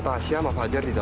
tasya sama fajar di sekolah